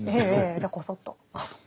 じゃこそっと。